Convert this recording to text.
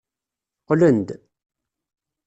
Qqlen-d.